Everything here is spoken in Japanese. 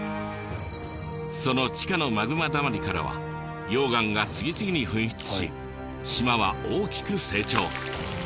その地下のマグマだまりからは溶岩が次々に噴出し島は大きく成長。